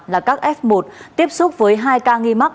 là các f một tiếp xúc với hai ca nghi mắc